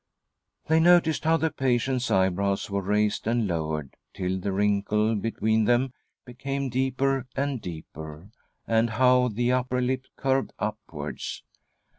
They noticed how the patient's eyebrows were raised and lowered till the wrinkle between them became deeper and deeper, and how the upper lip curved upwards.